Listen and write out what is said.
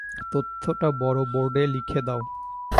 তথ্যটা বড় বোর্ডে লিখে দাও।